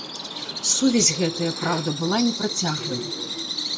Сувязь гэтая, праўда, была непрацяглай.